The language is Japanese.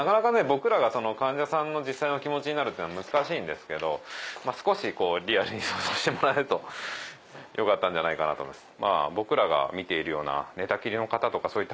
僕らが患者さんの実際の気持ちになるというのは難しいんですけど少しリアルに想像してもらえるとよかったんじゃないかなと思います。